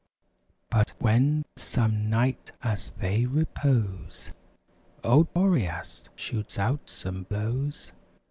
But when, some night, as they repose. Old Boreas shoots out some blows.